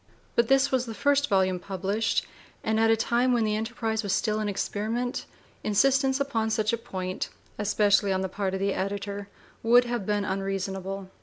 But this was the first volume published, and at a time when the enterprise was still an experiment insistence upon such a point, especially on the part of the editor, would have been unreasonable.